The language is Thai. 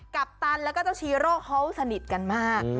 ปัปตันแล้วก็เจ้าชีโร่เขาสนิทกันมาก